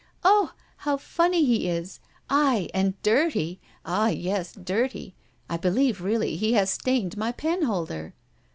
Oh! how funny he is, aye, and dirty ah, yes! dirty I believe really he has stained my penholder."